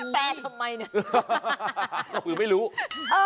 แปลทำไมเนี่ย